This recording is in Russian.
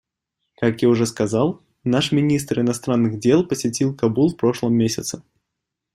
Как я уже сказал, наш министр иностранных дел посетил Кабул в прошлом месяце.